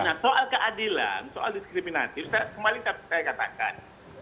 nah soal keadilan soal diskriminasi saya katakan